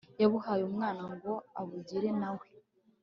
yabuhaye Umwana ngo abugire na we